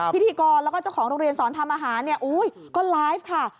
พิธีกรและเจ้าของโรงเรียนสอนทำอาหารก็ไลฟ์ค่ะ